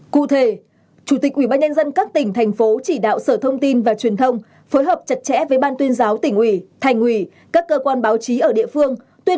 cụ thể chủ tịch ubnd các tỉnh thành phố chỉ đạo sở thông tin và truyền thông phối hợp chặt chẽ với ban tuyên giáo tỉnh ủy thành ủy các cơ quan báo chí ở địa phương